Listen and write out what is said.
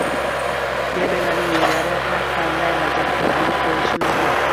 fermerlarning yerlari har qanday vaziyatda olib qo‘yilishi mumkin.